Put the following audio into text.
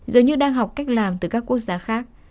dường như đang học cách làm từ các quốc gia khác